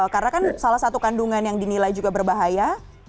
karena kan salah satu kandungan yang dinilai juga berbahaya